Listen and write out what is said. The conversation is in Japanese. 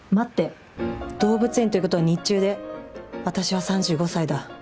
動物園ということは日中で私は三十五歳だ」。